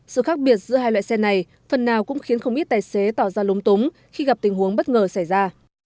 sự khác biệt giữa hai loại xe này phần nào cũng khiến không ít tài xế tỏ ra lúng túng khi gặp tình huống bất ngờ xảy ra